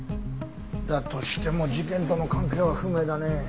だとしても事件との関係は不明だね。